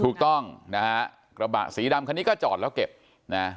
ถูกต้องนะฮะกระบะสีดำคันนี้ก็จอดแล้วเก็บนะ